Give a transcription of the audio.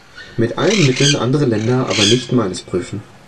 Mit allen Mitteln andere Länder, aber nicht meines prüfen.